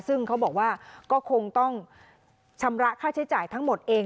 ซึ่งเขาบอกว่าก็คงต้องชำระค่าใช้จ่ายทั้งหมดเอง